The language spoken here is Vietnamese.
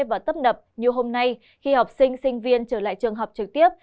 và tấp nập như hôm nay khi học sinh sinh viên trở lại trường học trực tiếp